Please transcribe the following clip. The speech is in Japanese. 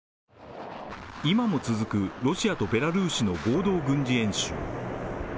今も続くロシアとベラルーシの合同軍事演習。